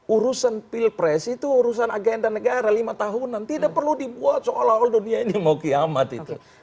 urusan pilpres itu urusan agenda negara lima tahunan tidak perlu dibuat seolah olah dunia ini mau kiamat itu